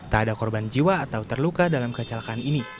tak ada korban jiwa atau terluka dalam kecelakaan ini